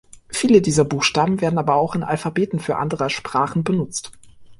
Vieler dieser Buchstaben werden aber auch in Alphabeten für anderer Sprachen benutzt.